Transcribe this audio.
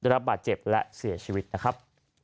รับบาดเจ็บและเสียชีวิตนะครับ